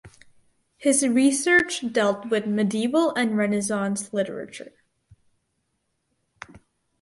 His research dealt with medieval and Renaissance literature.